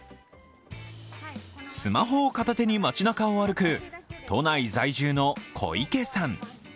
スマホを片手に街なかを歩く都内在住の小池さん。